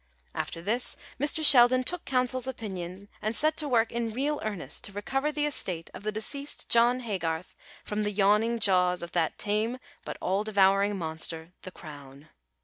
After this, Mr. Sheldon took counsel's opinion, and set to work in real earnest to recover the estate of the deceased John Haygarth from the yawning jaws of that tame but all devouring monster, the Crown.